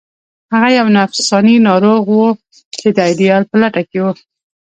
هغه یو نفسیاتي ناروغ و چې د ایډیال په لټه کې و